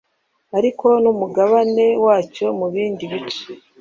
Ariko n,umugabane wacyo mu bindi bice